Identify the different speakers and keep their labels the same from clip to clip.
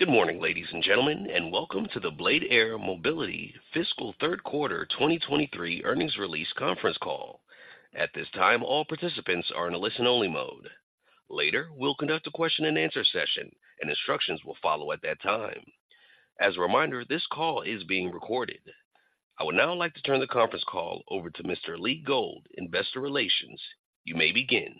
Speaker 1: Good morning, ladies and gentlemen, and welcome to the Strata Critical Medical Fiscal Third Quarter 2023 Earnings Release Conference Call. At this time, all participants are in a listen-only mode. Later, we'll conduct a question-and-answer session, and instructions will follow at that time. As a reminder, this call is being recorded. I would now like to turn the conference call over to Mr. Lee Gold, Investor Relations. You may begin.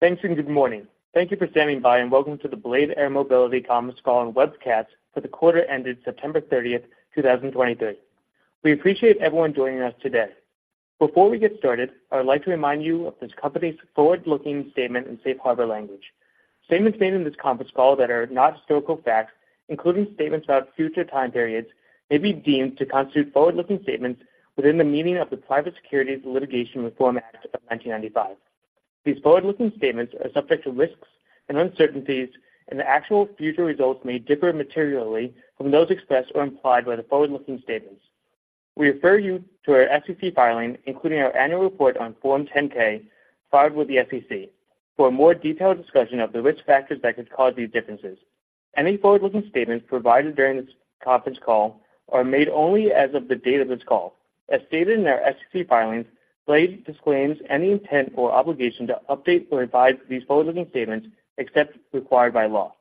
Speaker 2: Thanks, and good morning. Thank you for standing by, and welcome to the Blade Air Mobility conference call and webcast for the quarter ended September 30, 2023. We appreciate everyone joining us today. Before we get started, I would like to remind you of this company's forward-looking statement and safe harbor language. Statements made in this conference call that are not historical facts, including statements about future time periods, may be deemed to constitute forward-looking statements within the meaning of the Private Securities Litigation Reform Act of 1995. These forward-looking statements are subject to risks and uncertainties, and the actual future results may differ materially from those expressed or implied by the forward-looking statements. We refer you to our SEC filings, including our annual report on Form 10-K filed with the SEC, for a more detailed discussion of the risk factors that could cause these differences. Any forward-looking statements provided during this conference call are made only as of the date of this call. As stated in our SEC filings, Blade disclaims any intent or obligation to update or revise these forward-looking statements except as required by law.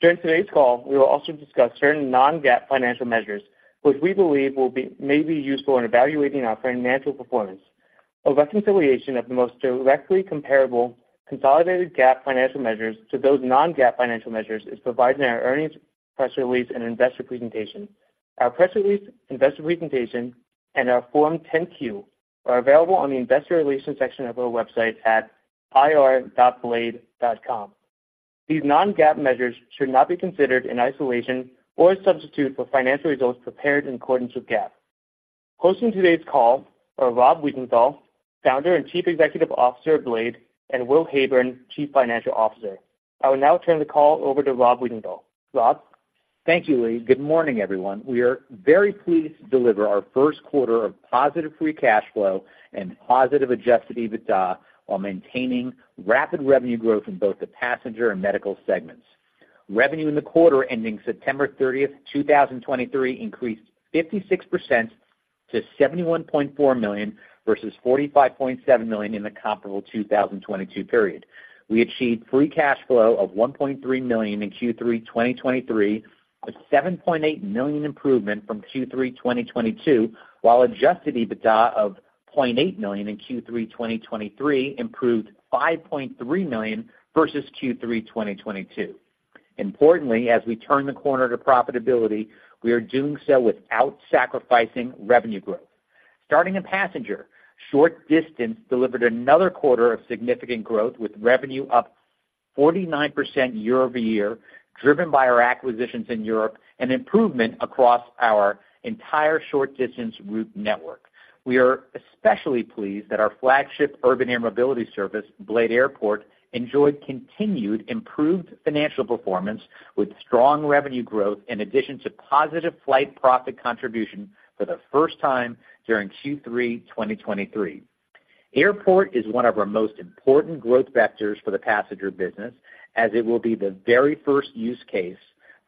Speaker 2: During today's call, we will also discuss certain non-GAAP financial measures, which we believe may be useful in evaluating our financial performance. A reconciliation of the most directly comparable consolidated GAAP financial measures to those non-GAAP financial measures is provided in our earnings press release and investor presentation. Our press release, investor presentation, and our Form 10-Q are available on the Investor Relations section of our website at ir.blade.com. These non-GAAP measures should not be considered in isolation or a substitute for financial results prepared in accordance with GAAP. Hosting today's call are Rob Wiesenthal, Founder and Chief Executive Officer of Blade, and Will Heyburn, Chief Financial Officer. I will now turn the call over to Rob Wiesenthal. Rob?
Speaker 3: Thank you, Lee. Good morning, everyone. We are very pleased to deliver our first quarter of positive free-cash-flow and positive adjusted EBITDA while maintaining rapid revenue growth in both the passenger and medical segments. Revenue in the quarter ending September 30, 2023, increased 56% to $71.4 million versus $45.7 million in the comparable 2022 period. We achieved free-cash-flow of $1.3 million in Q3 2023, a $7.8 million improvement from Q3 2022, while adjusted EBITDA of $0.8 million in Q3 2023 improved $5.3 million versus Q3 2022. Importantly, as we turn the corner to profitability, we are doing so without sacrificing revenue growth. Starting in passenger, short-distance delivered another quarter of significant growth, with revenue up 49% year-over-year, driven by our acquisitions in Europe and improvement across our entire short-distance route network. We are especially pleased that our flagship urban air mobility service, Blade Airport, enjoyed continued improved financial performance with strong revenue growth in addition to positive flight profit contribution for the first time during Q3 2023. Airport is one of our most important growth vectors for the passenger business, as it will be the very first use case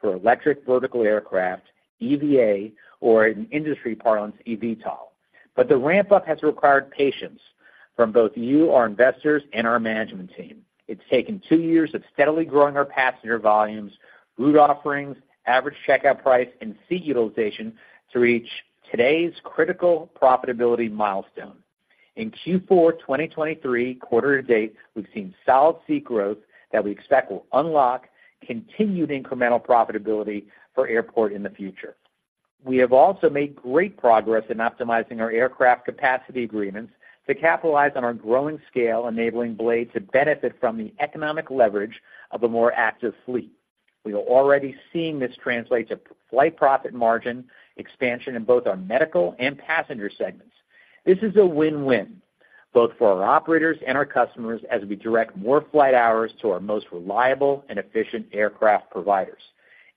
Speaker 3: for electric vertical aircraft, EVA, or in industry parlance, eVTOL. But the ramp-up has required patience from both you, our investors, and our management team. It's taken two years of steadily growing our passenger volumes, route offerings, average checkout price, and seat utilization to reach today's critical profitability milestone. In Q4 2023, quarter-to-date, we've seen solid seat growth that we expect will unlock continued incremental profitability for Airport in the future. We have also made great progress in optimizing our aircraft capacity agreements to capitalize on our growing scale, enabling Blade to benefit from the economic leverage of a more active fleet. We are already seeing this translate to flight profit margin expansion in both our medical and passenger segments. This is a win-win, both for our operators and our customers, as we direct more flight hours to our most reliable and efficient aircraft providers.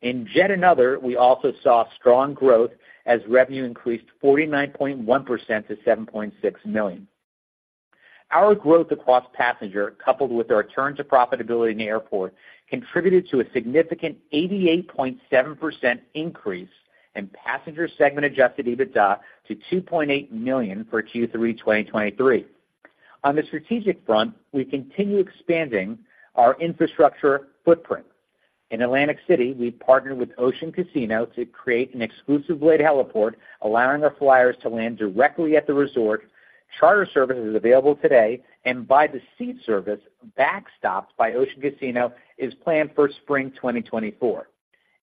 Speaker 3: In Jet and Other, we also saw strong growth as revenue increased 49.1% to $7.6 million. Our growth across passenger, coupled with our return to profitability in the airport, contributed to a significant 88.7% increase in passenger segment adjusted EBITDA to $2.8 million for Q3 2023. On the strategic front, we continue expanding our infrastructure footprint. In Atlantic City, we've partnered with Ocean Casino to create an exclusive Blade heliport, allowing our flyers to land directly at the resort. Charter service is available today, and by-the-seat service, backstopped by Ocean Casino, is planned for spring 2024.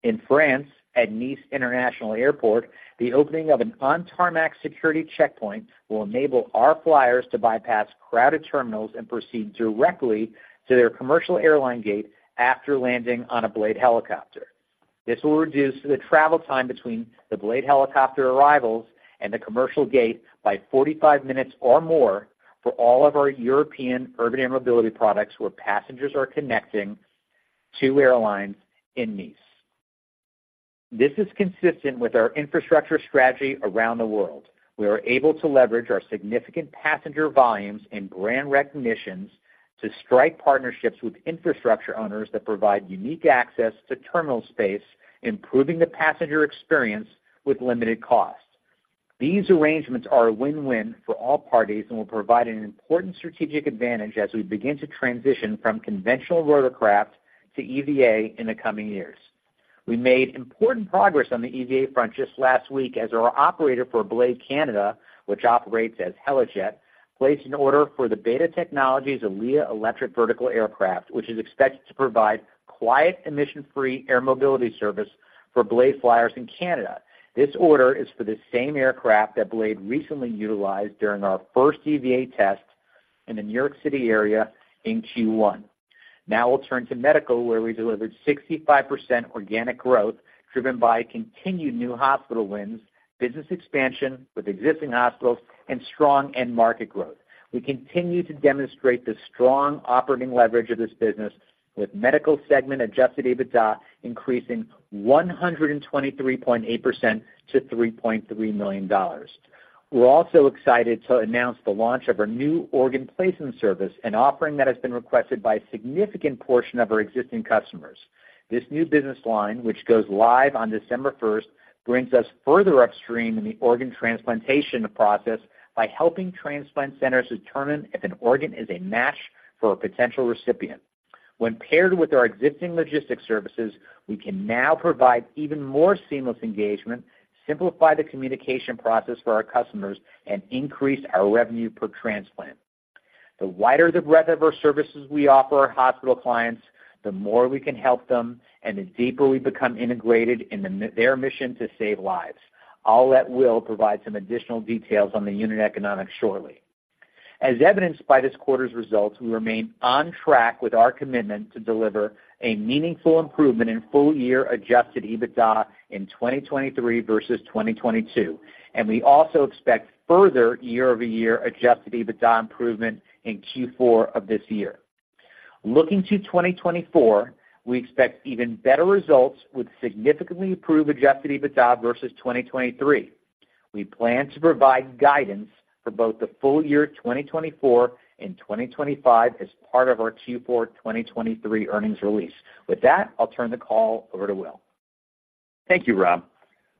Speaker 3: In France, at Nice International Airport, the opening of an on-tarmac security checkpoint will enable our flyers to bypass crowded terminals and proceed directly to their commercial airline gate after landing on a Blade helicopter. This will reduce the travel time between the Blade helicopter arrivals and the commercial gate by 45 minutes or more for all of our European urban air mobility products, where passengers are connecting to airlines in Nice. This is consistent with our infrastructure strategy around the world. We are able to leverage our significant passenger volumes and brand recognitions to strike partnerships with infrastructure owners that provide unique access to terminal space, improving the passenger experience with limited costs. These arrangements are a win-win for all parties and will provide an important strategic advantage as we begin to transition from conventional rotorcraft to EVA in the coming years. We made important progress on the EVA front just last week, as our operator for Blade Canada, which operates as Helijet, placed an order for the BETA Technologies ALIA Electric Vertical Aircraft, which is expected to provide quiet, emission-free air mobility service for Blade flyers in Canada. This order is for the same aircraft that Blade recently utilized during our first EVA test in the New York City area in Q1. Now we'll turn to medical, where we delivered 65% organic growth, driven by continued new hospital wins, business expansion with existing hospitals, and strong end market growth. We continue to demonstrate the strong operating leverage of this business, with medical segment adjusted EBITDA increasing 123.8% to $3.3 million. We're also excited to announce the launch of our new organ placement service, an offering that has been requested by a significant portion of our existing customers. This new business line, which goes live on December 1st, brings us further upstream in the organ transplantation process by helping transplant centers determine if an organ is a match for a potential recipient. When paired with our existing logistics services, we can now provide even more seamless engagement, simplify the communication process for our customers, and increase our revenue per transplant. The wider the breadth of our services we offer our hospital clients, the more we can help them and the deeper we become integrated in their mission to save lives. I'll let Will provide some additional details on the unit economics shortly. As evidenced by this quarter's results, we remain on track with our commitment to deliver a meaningful improvement in full-year adjusted EBITDA in 2023 versus 2022, and we also expect further year-over-year adjusted EBITDA improvement in Q4 of this year. Looking to 2024, we expect even better results, with significantly improved adjusted EBITDA versus 2023. We plan to provide guidance for both the full-year 2024 and 2025 as part of our Q4 2023 earnings release. With that, I'll turn the call over to Will.
Speaker 4: Thank you, Rob.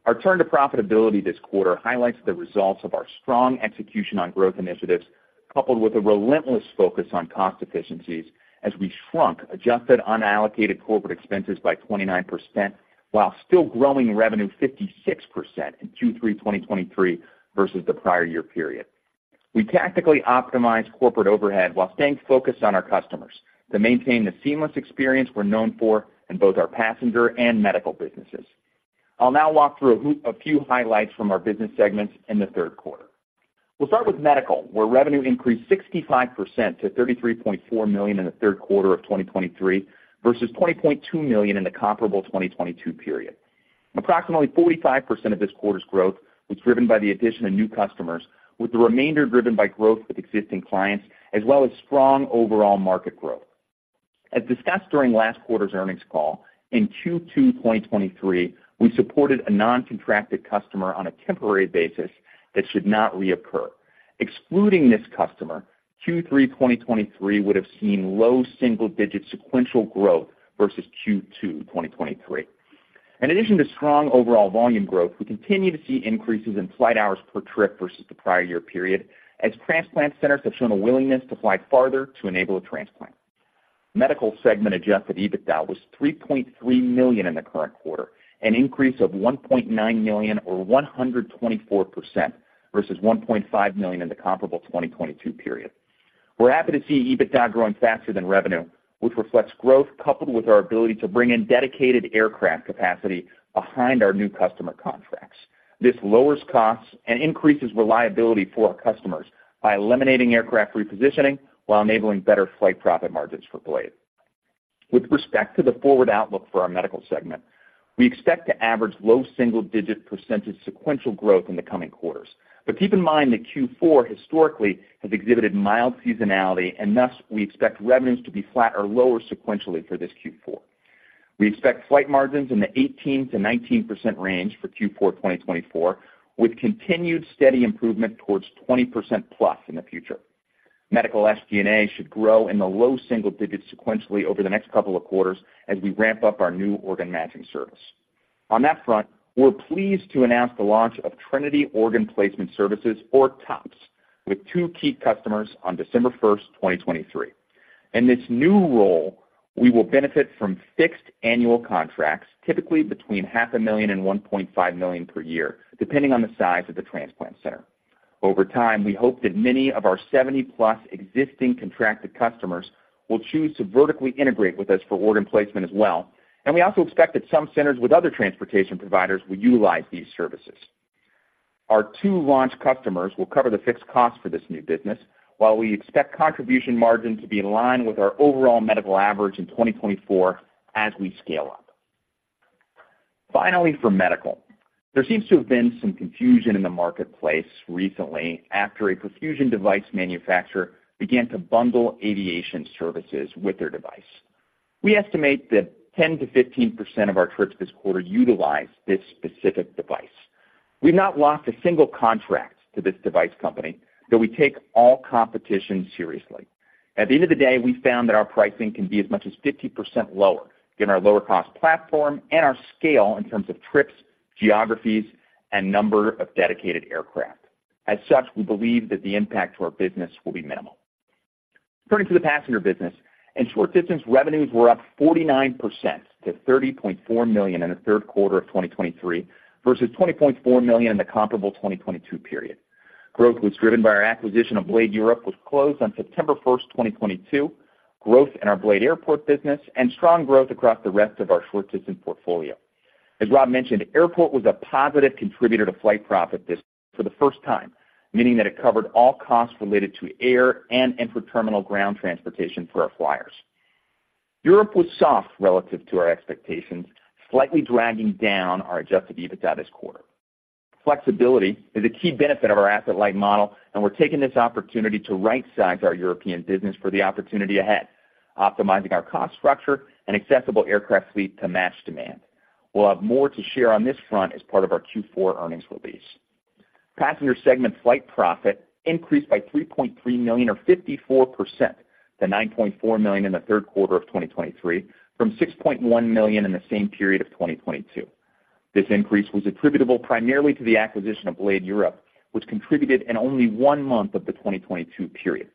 Speaker 4: Our turn to profitability this quarter highlights the results of our strong execution on growth initiatives, coupled with a relentless focus on cost efficiencies as we shrunk adjusted unallocated corporate expenses by 29%, while still growing revenue 56% in Q3 2023 versus the prior year period. We tactically optimized corporate overhead while staying focused on our customers to maintain the seamless experience we're known for in both our passenger and medical businesses. I'll now walk through a few highlights from our business segments in the third quarter. We'll start with medical, where revenue increased 65% to $33.4 million in the third quarter of 2023, versus $20.2 million in the comparable 2022 period. Approximately 45% of this quarter's growth was driven by the addition of new customers, with the remainder driven by growth with existing clients, as well as strong overall market growth. As discussed during last quarter's earnings call, in Q2 2023, we supported a non-contracted customer on a temporary basis that should not reoccur. Excluding this customer, Q3 2023 would have seen low single-digit sequential growth versus Q2 2023. In addition to strong overall volume growth, we continue to see increases in flight hours per trip versus the prior year period, as transplant centers have shown a willingness to fly farther to enable a transplant. Medical segment adjusted EBITDA was $3.3 million in the current quarter, an increase of $1.9 million, or 124%, versus $1.5 million in the comparable 2022 period. We're happy to see EBITDA growing faster than revenue, which reflects growth, coupled with our ability to bring in dedicated aircraft capacity behind our new customer contracts. This lowers costs and increases reliability for our customers by eliminating aircraft repositioning while enabling better flight profit margins for Blade. With respect to the forward outlook for our medical segment, we expect to average low single-digit percentage sequential growth in the coming quarters. But keep in mind that Q4 historically has exhibited mild seasonality, and thus, we expect revenues to be flat or lower sequentially for this Q4. We expect flight margins in the 18%-19% range for Q4 2024, with continued steady improvement towards 20%+ in the future. Medical SG&A should grow in the low-single digits sequentially over the next couple of quarters as we ramp up our new organ matching service. On that front, we're pleased to announce the launch of Trinity Organ Placement Services, or TOPS, with two key customers on December 1st, 2023. In this new role, we will benefit from fixed annual contracts, typically between $500,000 and $1.5 million per year, depending on the size of the transplant center. Over time, we hope that many of our 70+ existing contracted customers will choose to vertically integrate with us for organ placement as well, and we also expect that some centers with other transportation providers will utilize these services. Our two launch customers will cover the fixed costs for this new business, while we expect contribution margin to be in line with our overall medical average in 2024 as we scale up. There seems to have been some confusion in the marketplace recently after a perfusion device manufacturer began to bundle aviation services with their device. We estimate that 10%-15% of our trips this quarter utilized this specific device. We've not lost a single contract to this device company, though we take all competition seriously. At the end of the day, we found that our pricing can be as much as 50% lower, given our lower cost platform and our scale in terms of trips, geographies, and number of dedicated aircraft. As such, we believe that the impact to our business will be minimal. Turning to the passenger business, short-distance revenues were up 49% to $30.4 million in the third quarter of 2023 versus $20.4 million in the comparable 2022 period. Growth was driven by our acquisition of Blade Europe, which closed on September 1, 2022, growth in our Blade Airport business, and strong growth across the rest of our short-distance portfolio. As Rob mentioned, Airport was a positive contributor to flight profit this for the first time, meaning that it covered all costs related to air and intra-terminal ground transportation for our flyers. Europe was soft relative to our expectations, slightly dragging down our adjusted EBITDA this quarter. Flexibility is a key benefit of our asset-light model, and we're taking this opportunity to rightsize our European business for the opportunity ahead, optimizing our cost structure and accessible aircraft fleet to match demand. We'll have more to share on this front as part of our Q4 earnings release. Passenger segment flight profit increased by $3.3 million, or 54%, to $9.4 million in the third quarter of 2023, from $6.1 million in the same period of 2022. This increase was attributable primarily to the acquisition of Blade Europe, which contributed in only one month of the 2022 period.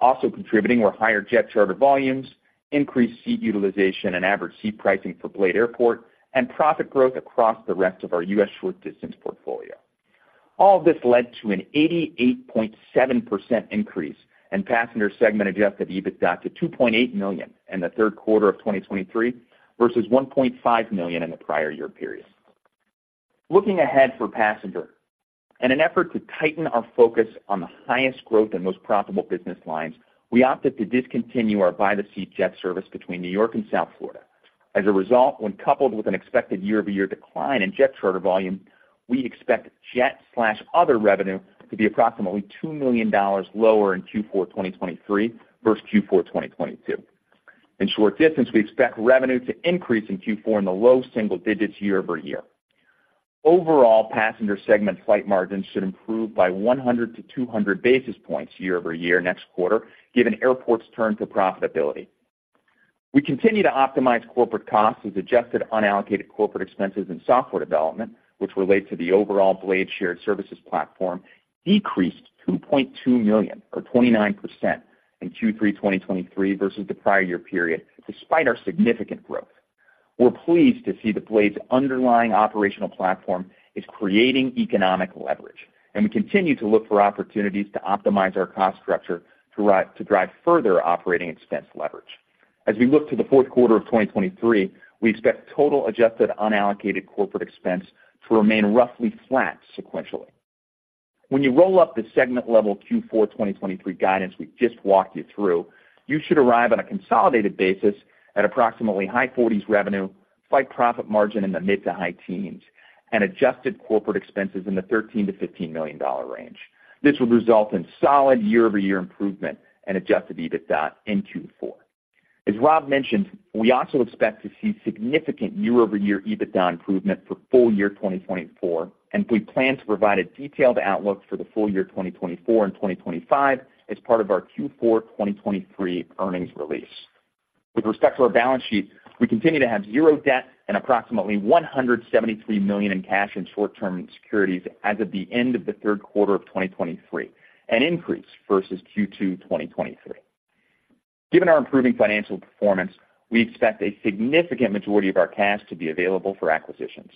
Speaker 4: Also contributing were higher jet charter volumes, increased seat utilization and average seat pricing for Blade Airport, and profit growth across the rest of our U.S. short-distance portfolio. All of this led to an 88.7% increase in passenger segment adjusted EBITDA to $2.8 million in the third quarter of 2023 versus $1.5 million in the prior year period. Looking ahead for passenger, in an effort to tighten our focus on the highest growth and most profitable business lines, we opted to discontinue our by-the-seat jet service between New York and South Florida. As a result, when coupled with an expected year-over-year decline in jet charter volume, we expect jet/other revenue to be approximately $2 million lower in Q4 2023 versus Q4 2022. In short-distance, we expect revenue to increase in Q4 in the low-single digits year-over-year. Overall, passenger segment flight margins should improve by 100-200 basis points year-over-year next quarter, given Airport's turn to profitability. We continue to optimize corporate costs as adjusted unallocated corporate expenses and software development, which relate to the overall Blade shared services platform, decreased $2.2 million, or 29%, in Q3 2023 versus the prior year period, despite our significant growth. We're pleased to see that Blade's underlying operational platform is creating economic leverage, and we continue to look for opportunities to optimize our cost structure to drive further operating expense leverage. As we look to the fourth quarter of 2023, we expect total adjusted unallocated corporate expense to remain roughly flat sequentially. When you roll up the segment level Q4 2023 guidance we've just walked you through, you should arrive on a consolidated basis at approximately high 40s revenue, flight profit margin in the mid- to high-teens, and adjusted corporate expenses in the $13-$15 million range. This will result in solid year-over-year improvement and adjusted EBITDA in Q4. As Rob mentioned, we also expect to see significant year-over-year EBITDA improvement for full-year 2024, and we plan to provide a detailed outlook for the full-year 2024 and 2025 as part of our Q4 2023 earnings release. With respect to our balance sheet, we continue to have zero debt and approximately $173 million in cash and short-term securities as of the end of the third quarter of 2023, an increase versus Q2 2023. Given our improving financial performance, we expect a significant majority of our cash to be available for acquisitions.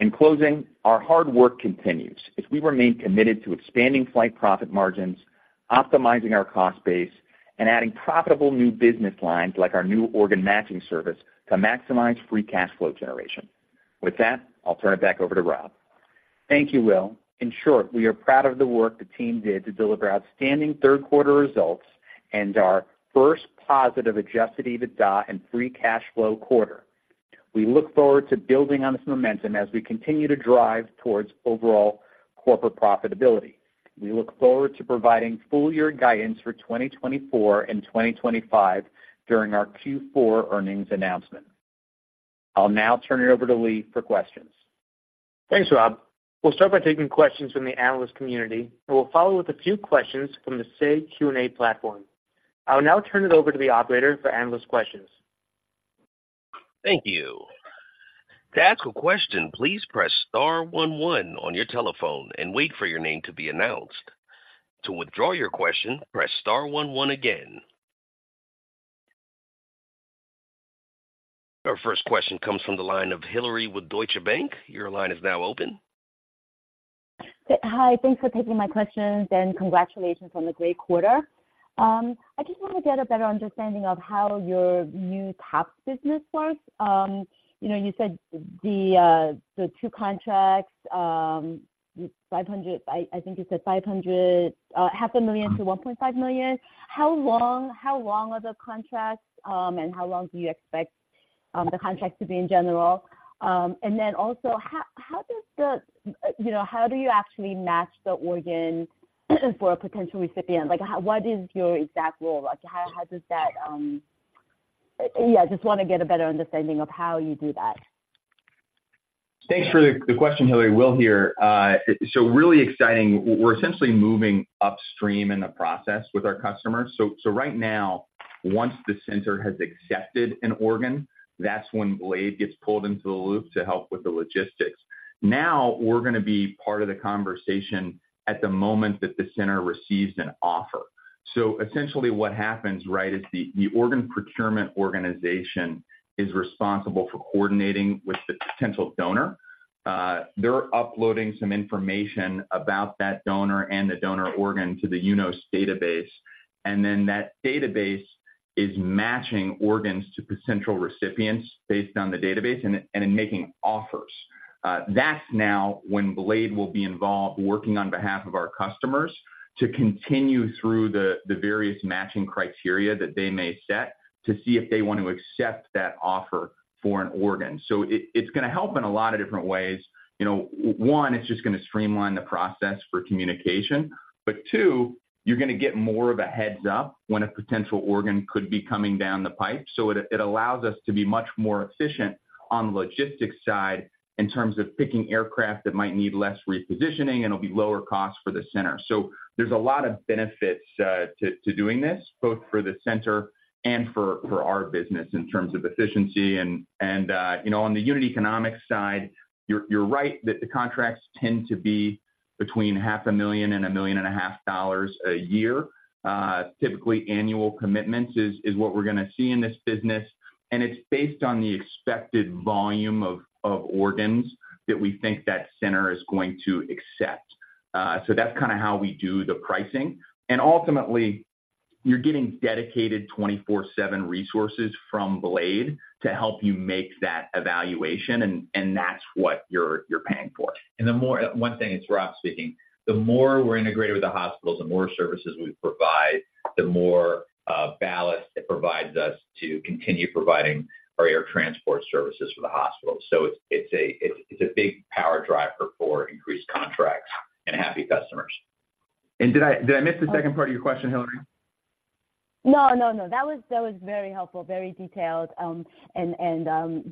Speaker 4: In closing, our hard work continues as we remain committed to expanding flight profit margins, optimizing our cost base, and adding profitable new business lines like our new organ matching service, to maximize free-cash-flow generation. With that, I'll turn it back over to Rob.
Speaker 3: Thank you, Will. In short, we are proud of the work the team did to deliver outstanding third quarter results and our first positive adjusted EBITDA and free-cash-flow quarter. We look forward to building on this momentum as we continue to drive towards overall corporate profitability. We look forward to providing full-year guidance for 2024 and 2025 during our Q4 earnings announcement. I'll now turn it over to Lee for questions.
Speaker 2: Thanks, Rob. We'll start by taking questions from the analyst community, and we'll follow with a few questions from the Say Q&A platform. I will now turn it over to the operator for analyst questions.
Speaker 1: Thank you. To ask a question, please press star one one on your telephone and wait for your name to be announced. To withdraw your question, press star one one again. Our first question comes from the line of Hillary with Deutsche Bank. Your line is now open.
Speaker 5: Hi, thanks for taking my questions, and congratulations on the great quarter. I just want to get a better understanding of how your new top business works. You know, you said the, the two contracts, 500, I, I think you said 500, $500,000-$1.5 million. How long, how long are the contracts, and how long do you expect, the contracts to be in general? And then also, how, how does the, you know, how do you actually match the organ for a potential recipient? Like, how- what is your exact role? Like, how, how does that... Yeah, I just wanna get a better understanding of how you do that.
Speaker 4: Thanks for the question, Hillary. Will here. So really exciting. We're essentially moving upstream in the process with our customers. So right now, once the center has accepted an organ, that's when Blade gets pulled into the loop to help with the logistics. Now, we're gonna be part of the conversation at the moment that the center receives an offer. So essentially what happens, right, is the organ procurement organization is responsible for coordinating with the potential donor. They're uploading some information about that donor and the donor organ to the UNOS database, and then that database is matching organs to potential recipients based on the database and in making offers. That's now when Blade will be involved, working on behalf of our customers, to continue through the various matching criteria that they may set, to see if they want to accept that offer for an organ. So it, it's gonna help in a lot of different ways. You know, one, it's just gonna streamline the process for communication, but two, you're gonna get more of a heads-up when a potential organ could be coming down the pipe. So it, it allows us to be much more efficient on the logistics side in terms of picking aircraft that might need less repositioning, and it'll be lower cost for the center. So there's a lot of benefits, to doing this, both for the center and for our business in terms of efficiency. You know, on the unit economics side, you're right that the contracts tend to be between $500,000 and $1.5 million a year. Typically, annual commitments is what we're gonna see in this business, and it's based on the expected volume of organs that we think that center is going to accept. So that's kinda how we do the pricing. And ultimately, you're getting dedicated 24/7 resources from Blade to help you make that evaluation, and that's what you're paying for.
Speaker 3: One thing, it's Rob speaking. The more we're integrated with the hospitals, the more services we provide, the more ballast it provides us to continue providing our air transport services for the hospital. So it's a big power driver for increased contracts and happy customers.
Speaker 4: Did I miss the second part of your question, Hillary?
Speaker 5: No, no, no. That was, that was very helpful, very detailed, and, and,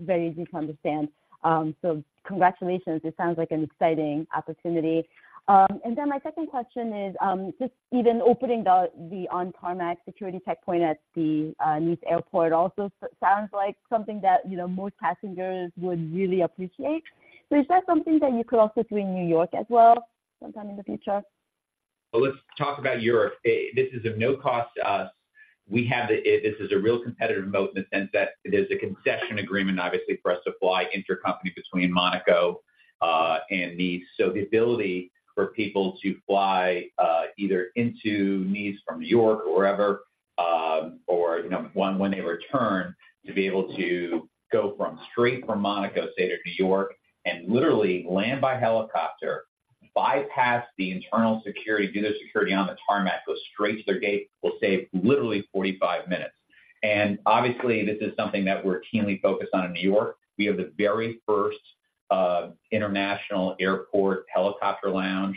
Speaker 5: very easy to understand. So congratulations, it sounds like an exciting opportunity. And then my second question is, just even opening the, the on-tarmac security checkpoint at the, Nice airport also sounds like something that, you know, most passengers would really appreciate. So is that something that you could also do in New York as well, sometime in the future?
Speaker 3: Well, let's talk about Europe. This is of no cost to us. We have the... This is a real competitive moat in the sense that it is a concession agreement, obviously, for us to fly intercompany between Monaco and Nice. So the ability for people to fly either into Nice from New York or wherever, or, you know, when they return, to be able to go straight from Monaco, say, to New York, and literally land by helicopter, bypass the internal security, do their security on the tarmac, go straight to their gate, will save literally 45 minutes. And obviously, this is something that we're keenly focused on in New York. We have the very first international airport helicopter lounge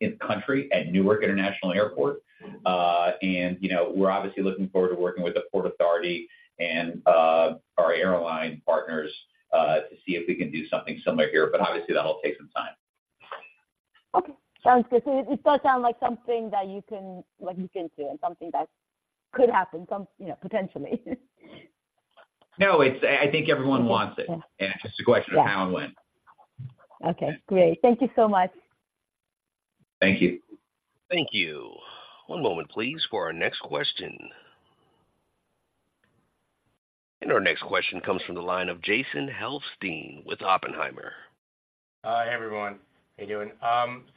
Speaker 3: in the country at Newark International Airport. You know, we're obviously looking forward to working with the Port Authority and our airline partners to see if we can do something similar here, but obviously, that'll take some time.
Speaker 5: Okay, sounds good. It does sound like something that you can, like you can do, and something that could happen some, you know, potentially.
Speaker 3: No, it's. I think everyone wants it.
Speaker 5: Okay, yeah.
Speaker 3: It's just a question of how and when.
Speaker 5: Okay, great. Thank you so much.
Speaker 3: Thank you.
Speaker 1: Thank you. One moment, please, for our next question. Our next question comes from the line of Jason Helfstein with Oppenheimer.
Speaker 6: Hi, everyone. How are you doing?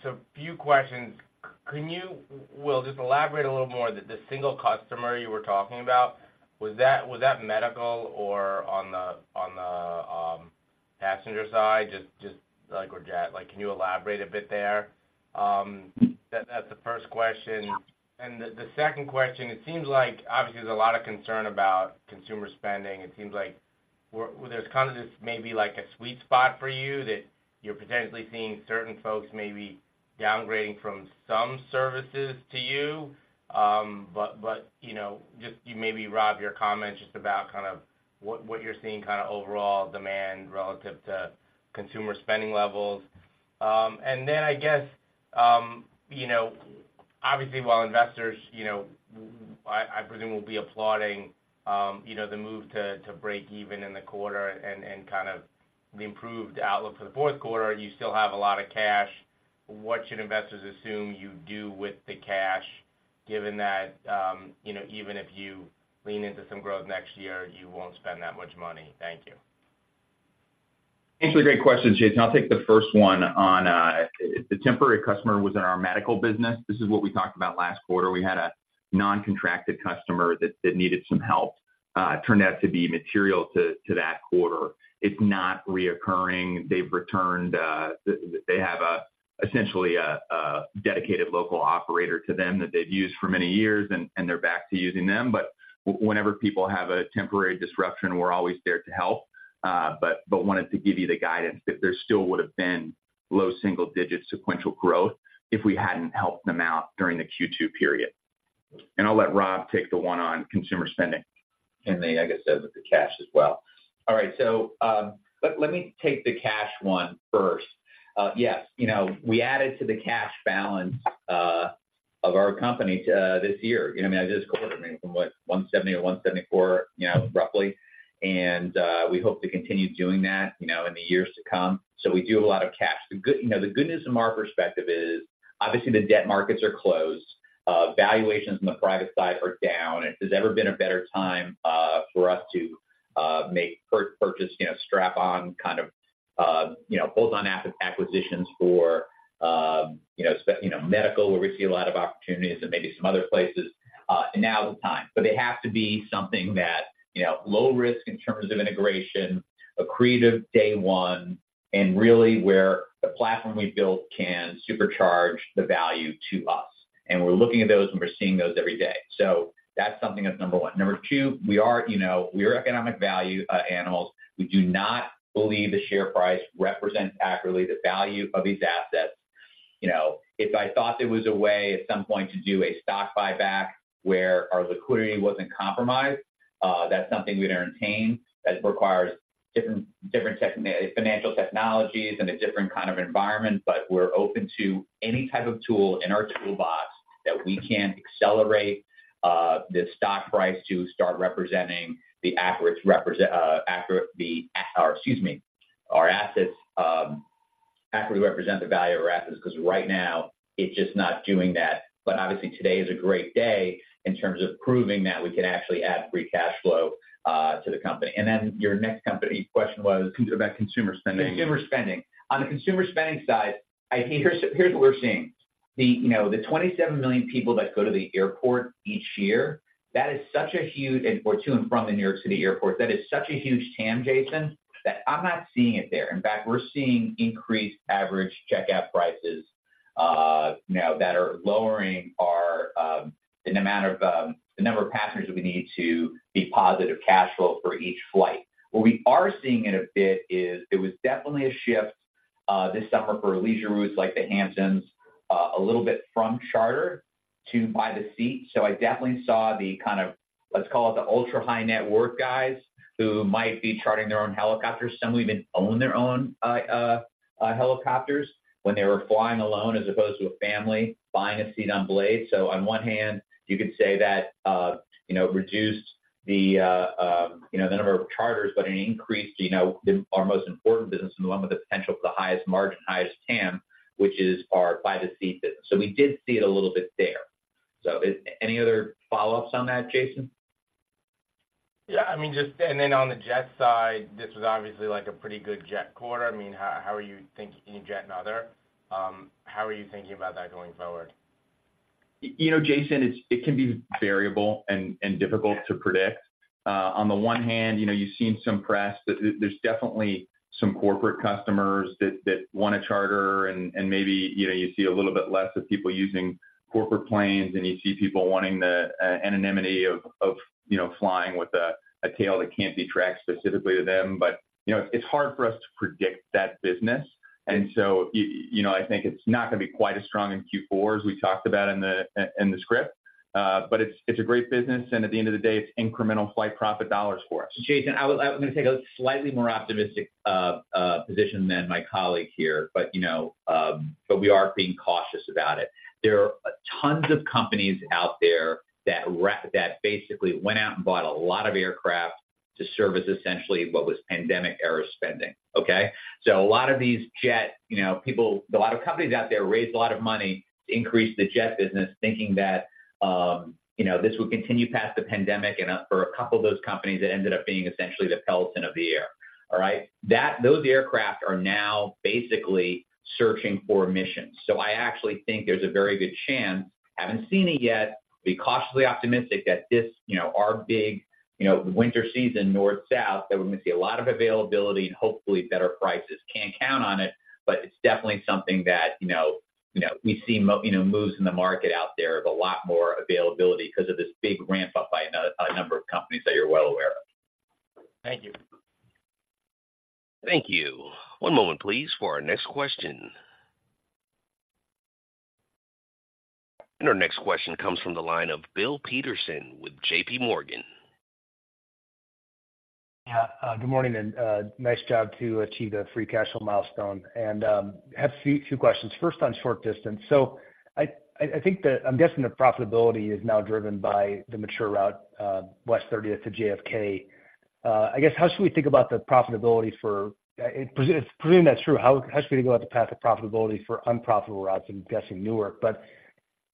Speaker 6: So a few questions. Can you, Will, just elaborate a little more, the single customer you were talking about, was that medical or on the passenger side? Just like, or jet-like, can you elaborate a bit there? That's the first question. And the second question, it seems like obviously there's a lot of concern about consumer spending. It seems like there's kind of this maybe like a sweet spot for you, that you're potentially seeing certain folks maybe downgrading from some services to you. But you know, just you maybe, Rob, your comments just about kind of what you're seeing kind of overall demand relative to consumer spending levels. And then I guess, you know, obviously, while investors, you know, I, I presume will be applauding, you know, the move to, to break even in the quarter and, and kind of the improved outlook for the fourth quarter, you still have a lot of cash. What should investors assume you do with the cash, given that, you know, even if you lean into some growth next year, you won't spend that much money? Thank you.
Speaker 4: Actually, great questions, Jason. I'll take the first one on the temporary customer who was in our medical business. This is what we talked about last quarter. We had a non-contracted customer that needed some help, turned out to be material to that quarter. It's not recurring. They've returned, they have essentially a dedicated local operator to them that they've used for many years, and they're back to using them. But whenever people have a temporary disruption, we're always there to help. But wanted to give you the guidance that there still would have been low single-digit sequential growth if we hadn't helped them out during the Q2 period. I'll let Rob take the one on consumer spending. Then, I guess, deal with the cash as well.
Speaker 3: All right, so, let me take the cash one first. Yes, you know, we added to the cash balance of our company this year. You know what I mean? This quarter, I mean, from what? $170 or $174, you know, roughly. And we hope to continue doing that, you know, in the years to come. So we do have a lot of cash. The good news from our perspective is, obviously, the debt markets are closed, valuations on the private side are down. If there's ever been a better time for us to make purchase, you know, strap-on kind of, you know, bolt-on asset acquisitions for, you know, medical, where we see a lot of opportunities and maybe some other places, now is the time. But they have to be something that, you know, low risk in terms of integration, accretive day one, and really where the platform we've built can supercharge the value to us. And we're looking at those, and we're seeing those every day. So that's something that's number one. Number two, we are, you know, we're economic value animals. We do not believe the share price represents accurately the value of these assets. You know, if I thought there was a way at some point to do a stock buyback where our liquidity wasn't compromised, that's something we'd entertain that requires different technical financial technologies and a different kind of environment. But we're open to any type of tool in our toolbox that we can accelerate the stock price to start representing the accurate representation, the... Or excuse me, our assets accurately represent the value of our assets, 'cause right now, it's just not doing that. But obviously, today is a great day in terms of proving that we can actually add free-cash-flow to the company. And then your next company question was? About consumer spending. Consumer spending. On the consumer spending side, I think here's, here's what we're seeing. The, you know, the 27 million people that go to the airport each year, that is such a huge or to and from the New York City airport, that is such a huge TAM, Jason, that I'm not seeing it there. In fact, we're seeing increased average checkout prices, you know, that are lowering our, the amount of, the number of passengers that we need to be positive cash flow for each flight. Where we are seeing it a bit is there was definitely a shift, this summer for leisure routes like the Hamptons, a little bit from charter to by-the-seat. So I definitely saw the kind of, let's call it the ultra-high-net-worth guys who might be chartering their own helicopters. Some even own their own helicopters when they were flying alone, as opposed to a family buying a seat on Blade. So on one hand, you could say that, you know, reduced the, you know, the number of charters, but it increased, you know, our most important business and the one with the potential for the highest margin, highest TAM, which is our by-the-seat business. So we did see it a little bit there. So is any other follow-ups on that, Jason? Yeah, I mean, just... And then on the jet side, this was obviously, like, a pretty good jet quarter. I mean, how are you thinking jet another? How are you thinking about that going forward? You know, Jason, it can be variable and difficult to predict. On the one hand, you know, you've seen some press that there's definitely some corporate customers that want to charter and maybe, you know, you see a little bit less of people using corporate planes, and you see people wanting the anonymity of you know, flying with a tail that can't be tracked specifically to them. But, you know, it's hard for us to predict that business. And so, you know, I think it's not going to be quite as strong in Q4 as we talked about in the script. But it's a great business, and at the end of the day, it's incremental flight profit dollars for us. Jason, I would like—I'm going to take a slightly more optimistic position than my colleague here, but, you know, but we are being cautious about it. There are tons of companies out there that basically went out and bought a lot of aircraft to service, essentially what was pandemic-era spending, okay? So a lot of these jet, you know, people, a lot of companies out there raised a lot of money to increase the jet business, thinking that, you know, this would continue past the pandemic. And, for a couple of those companies, it ended up being essentially the Peloton of the air. All right? Those aircraft are now basically searching for missions. So I actually think there's a very good chance, haven't seen it yet, be cautiously optimistic that this, you know, our big, you know, winter season, north-south, that we're going to see a lot of availability and hopefully better prices. Can't count on it, but it's definitely something that, you know, you know, we see more, you know, moves in the market out there of a lot more availability because of this big ramp up by a number of companies that you're well aware of. Thank you.
Speaker 1: Thank you. One moment, please, for our next question. Our next question comes from the line of Bill Peterson with JPMorgan.
Speaker 7: Yeah, good morning, and nice job to achieve the free-cash-flow milestone. I have a few questions. First, on short-distance. I think that—I'm guessing the profitability is now driven by the mature route, West 30th to JFK. I guess, how should we think about the profitability for, assuming that's true, how should we think about the path to profitability for unprofitable routes, I'm guessing Newark? But...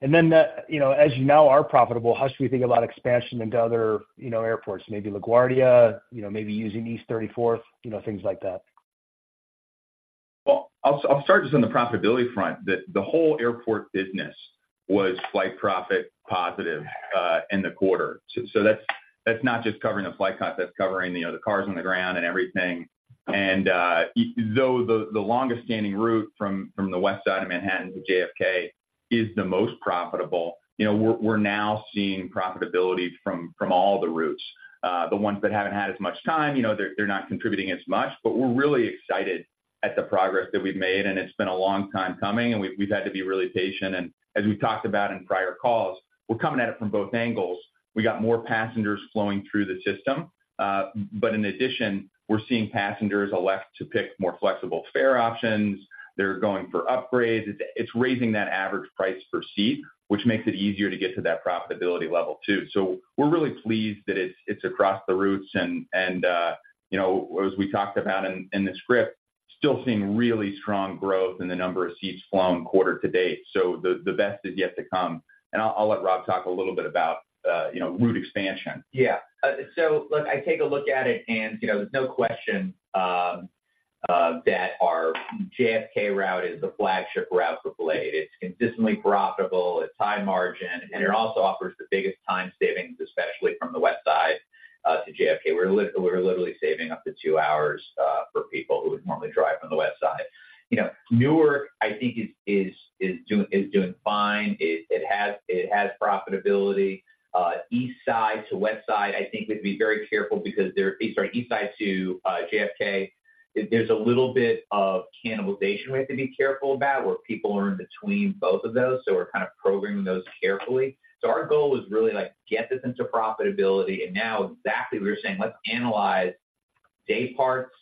Speaker 7: And then, you know, as you now are profitable, how should we think about expansion into other, you know, airports, maybe LaGuardia, you know, maybe using East 34th you know, things like that?...
Speaker 4: Well, I'll start just on the profitability front. The whole airport business was flight profit positive in the quarter. So that's not just covering the flight cost, that's covering, you know, the cars on the ground and everything. And though the longest standing route from the West Side of Manhattan to JFK is the most profitable, you know, we're now seeing profitability from all the routes. The ones that haven't had as much time, you know, they're not contributing as much, but we're really excited at the progress that we've made, and it's been a long time coming, and we've had to be really patient. And as we've talked about in prior calls, we're coming at it from both angles. We got more passengers flowing through the system, but in addition, we're seeing passengers elect to pick more flexible fare options. They're going for upgrades. It's raising that average price per seat, which makes it easier to get to that profitability level, too. So we're really pleased that it's across the routes and, you know, as we talked about in the script, still seeing really strong growth in the number of seats flown quarter-to-date. So the best is yet to come. And I'll let Rob talk a little bit about, you know, route expansion.
Speaker 3: Yeah. So look, I take a look at it and, you know, there's no question that our JFK route is the flagship route for Blade. It's consistently profitable, it's high margin, and it also offers the biggest time savings, especially from the West Side to JFK. We're literally saving up to two hours for people who would normally drive from the West Side. You know, Newark, I think, is doing fine. It has profitability. East Side to West Side, I think we'd be very careful because there... Sorry, East Side to JFK, there's a little bit of cannibalization we have to be careful about, where people are in between both of those, so we're kind of programming those carefully. So our goal is really, like, get this into profitability, and now exactly, we were saying, let's analyze day parts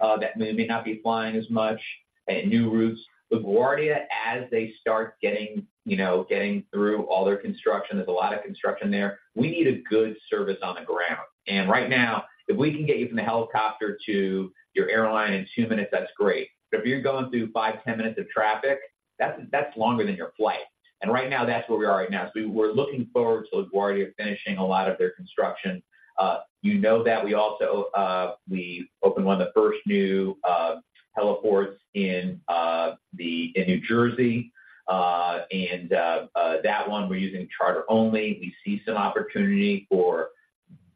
Speaker 3: that may or may not be flying as much and new routes. LaGuardia, as they start getting, you know, getting through all their construction, there's a lot of construction there, we need a good service on the ground, and right now, if we can get you from the helicopter to your airline in two minutes, that's great. But if you're going through five, 10 minutes of traffic, that's longer than your flight. And right now, that's where we are right now. So we're looking forward to LaGuardia finishing a lot of their construction. You know that we also, we opened one of the first new heliports in the in New Jersey. And that one we're using charter only. We see some opportunity for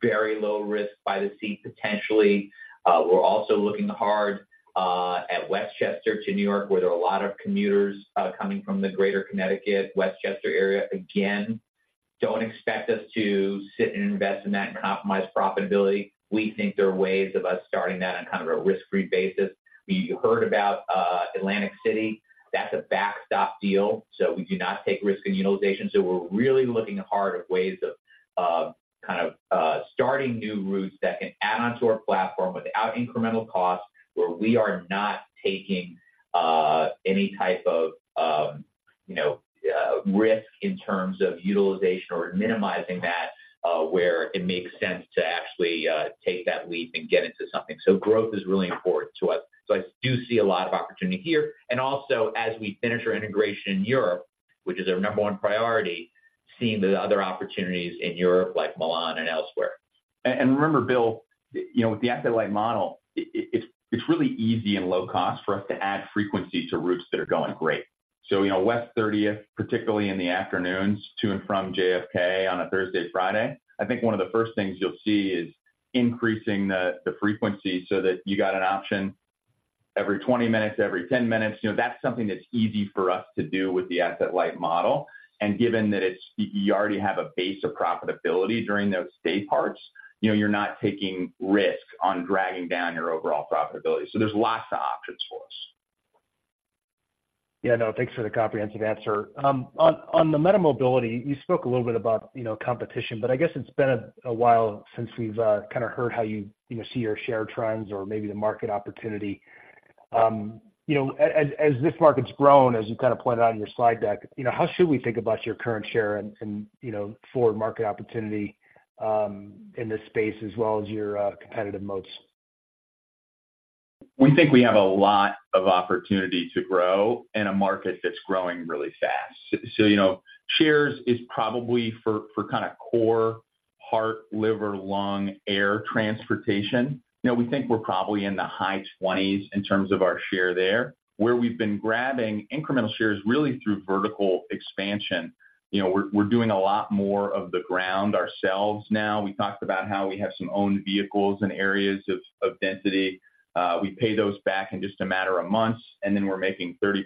Speaker 3: very low risk by the seat, potentially. We're also looking hard at Westchester to New York, where there are a lot of commuters coming from the greater Connecticut, Westchester area. Again, don't expect us to sit and invest in that and compromise profitability. We think there are ways of us starting that on kind of a risk-free basis. We heard about Atlantic City. That's a backstop deal, so we do not take risk in utilization. So we're really looking hard at ways of kind of starting new routes that can add on to our platform without incremental cost, where we are not taking any type of, you know, risk in terms of utilization or minimizing that, where it makes sense to actually take that leap and get into something. Growth is really important to us. I do see a lot of opportunity here, and also, as we finish our integration in Europe, which is our number one priority, seeing the other opportunities in Europe, like Milan and elsewhere.
Speaker 4: Remember, Bill, you know, with the asset-light model, it's really easy and low cost for us to add frequency to routes that are going great. So, you know, West 30th, particularly in the afternoons to and from JFK on a Thursday, Friday, I think one of the first things you'll see is increasing the frequency so that you got an option every 20 minutes, every 10 minutes. You know, that's something that's easy for us to do with the asset-light model. And given that it's, you already have a base of profitability during those day parts, you know, you're not taking risk on dragging down your overall profitability. So there's lots of options for us.
Speaker 7: Yeah, no, thanks for the comprehensive answer. On, on the MediMobility, you spoke a little bit about, you know, competition, but I guess it's been a while since we've kind of heard how you, you know, see your share trends or maybe the market opportunity. You know, as this market's grown, as you kind of pointed out in your slide deck, you know, how should we think about your current share and, you know, forward market opportunity in this space, as well as your competitive moats?
Speaker 4: We think we have a lot of opportunity to grow in a market that's growing really fast. So, you know, shares is probably for, for kind of core heart, liver, lung, air transportation. You know, we think we're probably in the high 20s in terms of our share there. Where we've been grabbing incremental shares really through vertical expansion. You know, we're, we're doing a lot more of the ground ourselves now. We talked about how we have some owned vehicles in areas of, of density. We pay those back in just a matter of months, and then we're making 30%+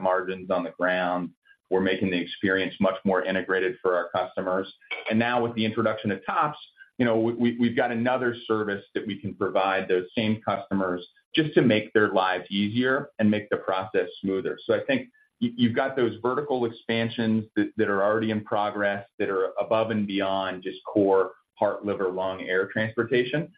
Speaker 4: margins on the ground. We're making the experience much more integrated for our customers. And now with the introduction of TOPS, you know, we, we've got another service that we can provide those same customers just to make their lives easier and make the process smoother. So I think you've got those vertical expansions that are already in progress, that are above and beyond just core heart, liver, lung, air transportation.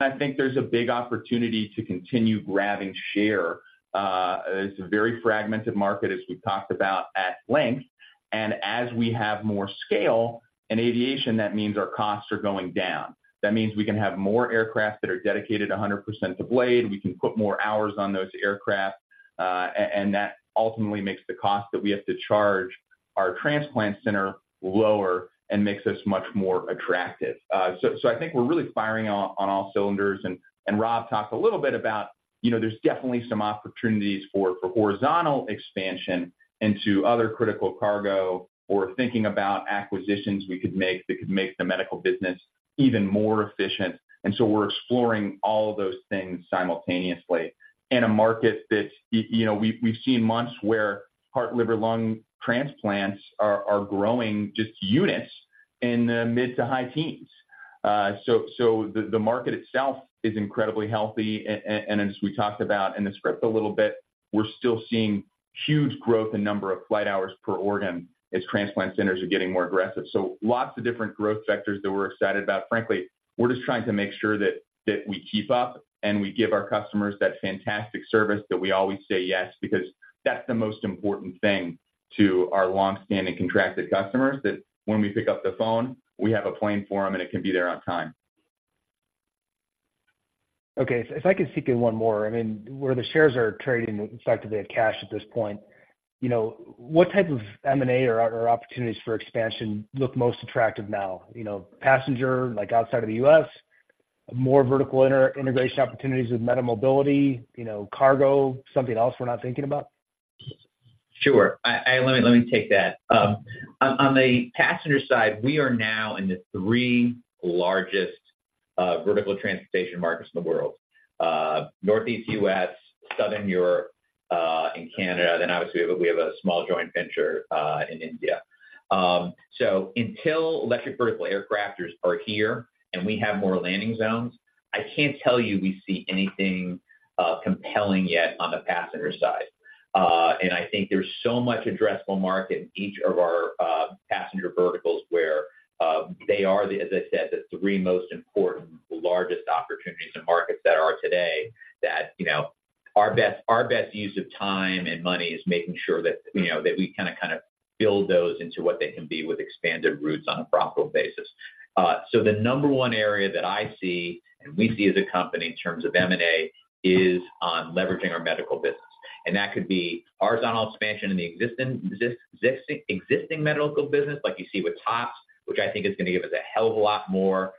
Speaker 4: I think there's a big opportunity to continue grabbing share. It's a very fragmented market, as we've talked about at length, and as we have more scale in aviation, that means our costs are going down. That means we can have more aircraft that are dedicated 100% to Blade. We can put more hours on those aircraft, and that ultimately makes the cost that we have to charge our transplant center lower and makes us much more attractive. So I think we're really firing on all cylinders. And Rob talked a little bit about, you know, there's definitely some opportunities for horizontal expansion into other critical cargo or thinking about acquisitions we could make that could make the medical business even more efficient. And so we're exploring all of those things simultaneously in a market that's, you know, we've seen months where heart, liver, lung transplants are growing just units in the mid to high teens. So the market itself is incredibly healthy, and as we talked about in the script a little bit, we're still seeing huge growth in number of flight hours per organ as transplant centers are getting more aggressive. So lots of different growth vectors that we're excited about. Frankly, we're just trying to make sure that we keep up and we give our customers that fantastic service, that we always say yes, because that's the most important thing to our long-standing contracted customers, that when we pick up the phone, we have a plane for them, and it can be there on time.
Speaker 7: Okay. If I could sneak in one more. I mean, where the shares are trading effectively at cash at this point, you know, what type of M&A or opportunities for expansion look most attractive now? You know, passenger, like outside of the U.S., more vertical integration opportunities with MediMobility, you know, cargo, something else we're not thinking about?
Speaker 3: Sure. Let me take that. On the passenger side, we are now in the three largest vertical transportation markets in the world: Northeast U.S., Southern Europe, and Canada. Then obviously, we have a small joint venture in India. So until electric vertical aircraft are here and we have more landing zones, I can't tell you we see anything compelling yet on the passenger side. And I think there's so much addressable market in each of our passenger verticals where they are, as I said, the three most important, largest opportunities in markets that are today that, you know, our best use of time and money is making sure that, you know, that we kinda build those into what they can be with expanded routes on a profitable basis. So the number one area that I see and we see as a company in terms of M&A is on leveraging our medical business, and that could be horizontal expansion in the existing medical business, like you see with TOPS, which I think is gonna give us a hell of a lot more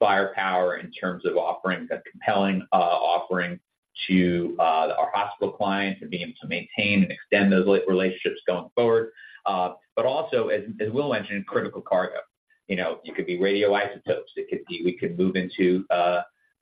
Speaker 3: firepower in terms of offering a compelling offering to our hospital clients and being able to maintain and extend those relationships going forward. But also, as Will mentioned, critical cargo. You know, it could be radioisotopes. It could be we could move into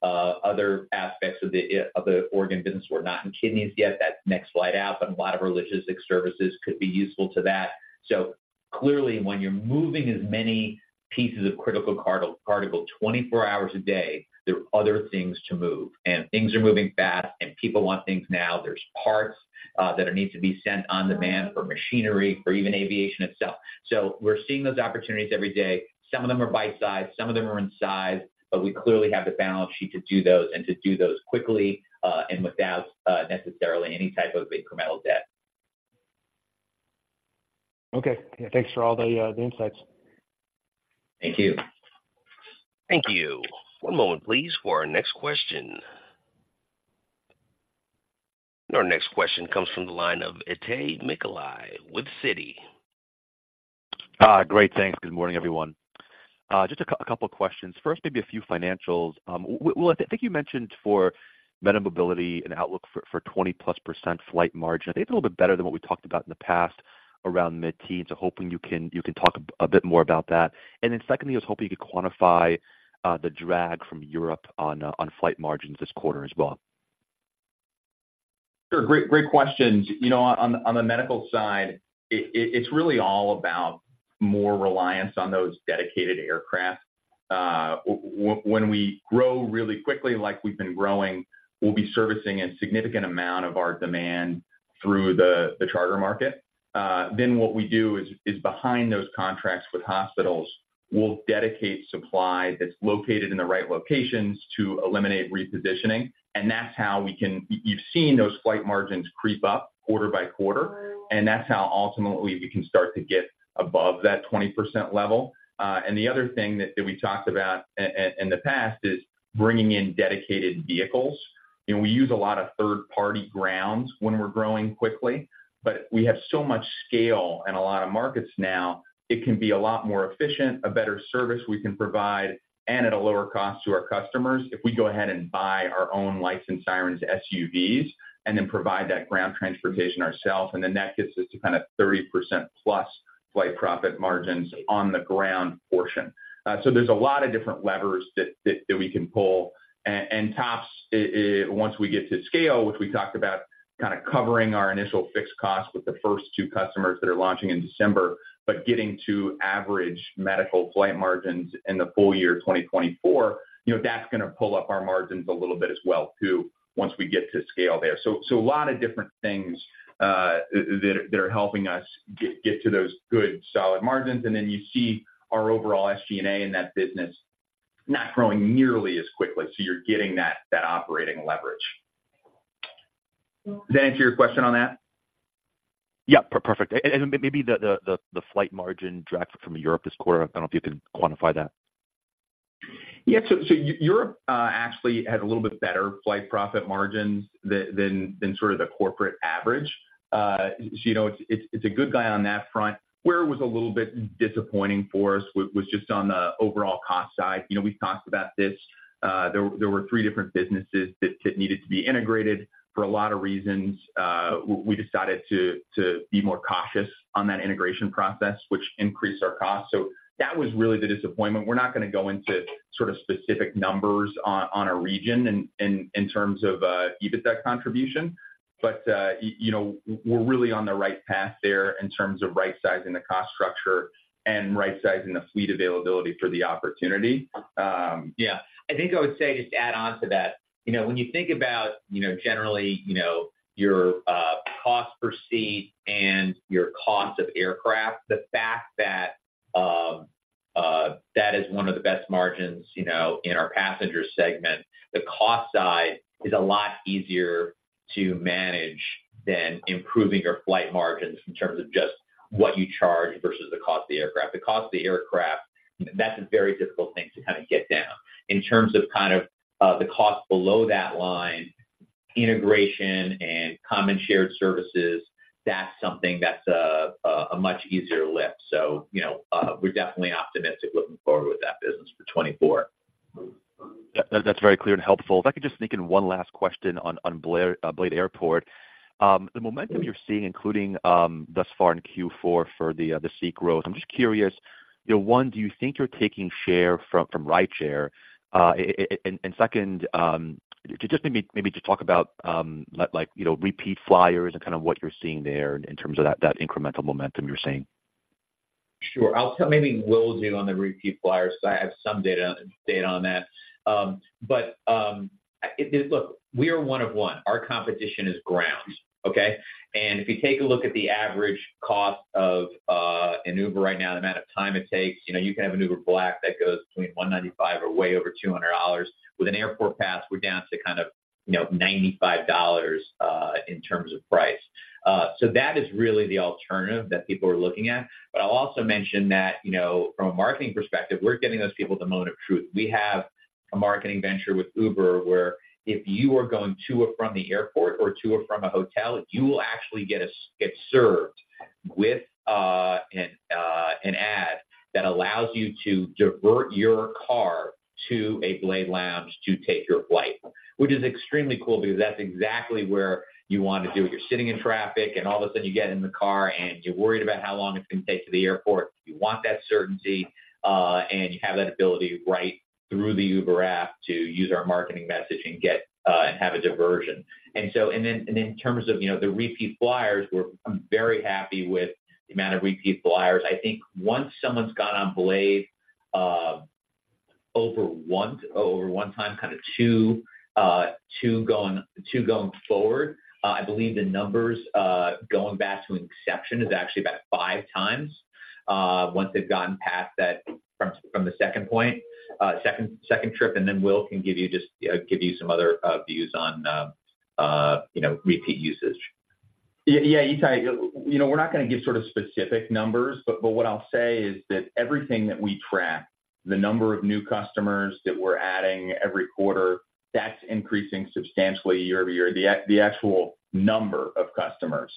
Speaker 3: other aspects of the organ business. We're not in kidneys yet. That's next flight out, but a lot of our logistics services could be useful to that. So clearly, when you're moving as many pieces of critical cargo, cargo 24 hours a day, there are other things to move, and things are moving fast, and people want things now. There's parts that are needing to be sent on demand for machinery or even aviation itself. So we're seeing those opportunities every day. Some of them are bite-sized, some of them are in size, but we clearly have the balance sheet to do those and to do those quickly, and without necessarily any type of incremental debt.
Speaker 7: Okay. Thanks for all the insights.
Speaker 3: Thank you.
Speaker 1: Thank you. One moment, please, for our next question. Our next question comes from the line of Itay Michaeli with Citi.
Speaker 8: Great. Thanks. Good morning, everyone. Just a couple of questions. First, maybe a few financials. Will, I think you mentioned for MediMobility and outlook for 20+% flight margin. I think a little bit better than what we talked about in the past, around mid-teen. Hoping you can talk a bit more about that. And then secondly, I was hoping you could quantify the drag from Europe on flight margins this quarter as well.
Speaker 4: Sure. Great, great questions. You know, on the medical side, it's really all about more reliance on those dedicated aircraft. When we grow really quickly, like we've been growing, we'll be servicing a significant amount of our demand through the charter market. Then what we do is behind those contracts with hospitals, we'll dedicate supply that's located in the right locations to eliminate repositioning, and that's how we can... You've seen those flight margins creep up quarter by quarter, and that's how ultimately we can start to get above that 20% level. And the other thing that we talked about in the past is bringing in dedicated vehicles. We use a lot of third-party grounds when we're growing quickly, but we have so much scale in a lot of markets now. It can be a lot more efficient, a better service we can provide, and at a lower cost to our customers if we go ahead and buy our own lights and sirens SUVs, and then provide that ground-transportation ourselves. And then that gets us to kind of 30%+ flight profit margins on the ground portion. So there's a lot of different levers that we can pull. TOPS, once we get to scale, which we talked about kind of covering our initial fixed costs with the first two customers that are launching in December, but getting to average medical flight margins in the full-year 2024, you know, that's gonna pull up our margins a little bit as well, too, once we get to scale there. So a lot of different things that are helping us get to those good, solid margins. And then you see our overall SG&A in that business not growing nearly as quickly. So you're getting that operating leverage. Does that answer your question on that?
Speaker 8: Yeah, perfect. And maybe the flight margin drag from Europe this quarter, I don't know if you can quantify that?...
Speaker 4: Yeah, so Europe actually had a little bit better flight profit margins than sort of the corporate average. So, you know, it's a good guy on that front. Where it was a little bit disappointing for us was just on the overall cost side. You know, we've talked about this. There were three different businesses that needed to be integrated for a lot of reasons. We decided to be more cautious on that integration process, which increased our costs. So that was really the disappointment. We're not gonna go into sort of specific numbers on a region in terms of EBITDA contribution, but you know, we're really on the right path there in terms of right-sizing the cost structure and right-sizing the fleet availability for the opportunity. Um-
Speaker 3: Yeah, I think I would say, just to add on to that, you know, when you think about, you know, generally, you know, your cost per seat and your cost of aircraft, the fact that that is one of the best margins, you know, in our passenger segment, the cost side is a lot easier to manage than improving your flight margins in terms of just what you charge versus the cost of the aircraft. The cost of the aircraft, that's a very difficult thing to kind of get down. In terms of kind of the cost below that line, integration and common shared services, that's something that's a much easier lift. So, you know, we're definitely optimistic looking forward with that business for 2024.
Speaker 8: Yeah, that, that's very clear and helpful. If I could just sneak in one last question on Blade Airport. The momentum you're seeing, including thus far in Q4 for the seat growth, I'm just curious, you know, one, do you think you're taking share from rideshare? And second, just maybe, maybe just talk about, like, like, you know, repeat flyers and kind of what you're seeing there in terms of that incremental momentum you're seeing.
Speaker 3: Sure. I'll tell maybe Will do on the repeat flyers, because I have some data on that. But, look, we are one of one. Our competition is ground, okay? And if you take a look at the average cost of an Uber right now, the amount of time it takes, you know, you can have an Uber Black that goes between $195 or way over $200. With an Airport Pass, we're down to kind of, you know, $95 in terms of price. So that is really the alternative that people are looking at. But I'll also mention that, you know, from a marketing perspective, we're giving those people the moment of truth. We have a marketing venture with Uber, where if you are going to or from the airport or to or from a hotel, you will actually get served with an ad that allows you to divert your car to a Blade Lounge to take your flight. Which is extremely cool because that's exactly where you want to do it. You're sitting in traffic, and all of a sudden you get in the car, and you're worried about how long it's going to take to the airport. You want that certainty, and you have that ability right through the Uber app to use our marketing message and get, and have a diversion. And so, and then, and in terms of, you know, the repeat flyers, we're... I'm very happy with the amount of repeat flyers. I think once someone's got on Blade, over once, over one time, kind of two, two going, two going forward, I believe the numbers, going back to an exception, is actually about five times, once they've gotten past that from, from the second point, second, second trip, and then Will can give you just, give you some other, views on, you know, repeat usage.
Speaker 4: Yeah, yeah, Itay, you know, we're not gonna give sort of specific numbers, but, but what I'll say is that everything that we track, the number of new customers that we're adding every quarter, that's increasing substantially year-over-year. The actual number of customers